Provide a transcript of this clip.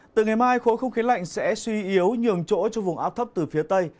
từ ngày mai khối không khí lạnh sẽ suy yếu nhường chỗ cho vùng áp thấp từ phía tây